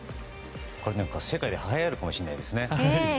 世界ではやるかもしれないですね。